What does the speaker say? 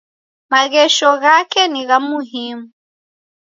Maghesho ghako ni gha muhimu.